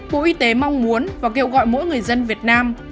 bộ y tế mong muốn và kêu gọi mỗi người dân việt nam